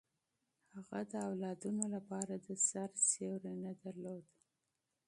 هغه د اولادونو لپاره د سر سیوری نه درلود.